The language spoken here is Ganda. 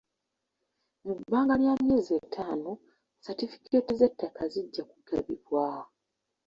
Mu bbanga lya myezi etaano satifikeeti z'ettaka zijja kugabibwa.